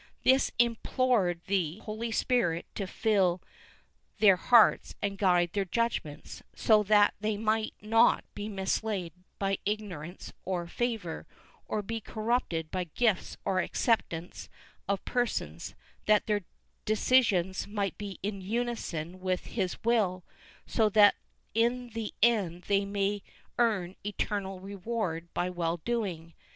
This implored the Holy Spirit to fill their hearts and guide their judgements, so that they might not be misled by ignorance or favor, or be corrupted by gifts or acceptance of persons; that their decisions might be in unison with His will, so that in the end they might earn eternal reward by well doing.